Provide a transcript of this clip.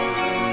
aku mau ke rumah